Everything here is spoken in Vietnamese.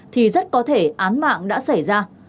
thì rất có thể án mạng đã xảy ra